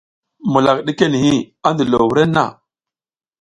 Mulak ɗike niʼhi, a ndilo wurenna.